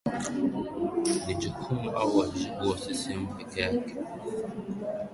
ni jukumu au wajibu wa ccm pekee yake au